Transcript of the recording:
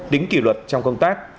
đính kỷ luật trong công tác